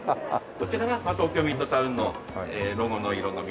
こちらが東京ミッドタウンのロゴの色の緑。